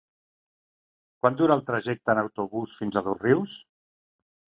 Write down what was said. Quant dura el trajecte en autobús fins a Dosrius?